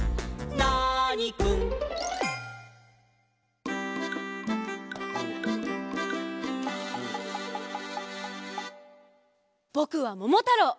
ナーニくん」ぼくはももたろう！